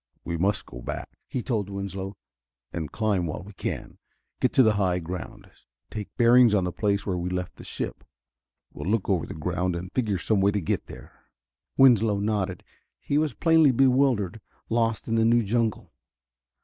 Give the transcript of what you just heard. "We must go back," he told Winslow, "and climb while we can. Get to the high ground, take bearings on the place where we left the ship. We'll look over the ground and figure some way to get there." Winslow nodded. He was plainly bewildered, lost in the new jungle.